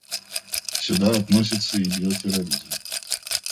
Сюда относится и биотерроризм.